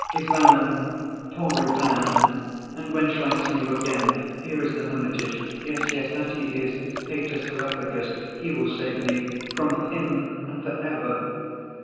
"Ivan, poor Ivan, and when shall I see you again?... Here is the hermitage. Yes, yes, that he is, Pater Seraphicus, he will save me—from him and for ever!"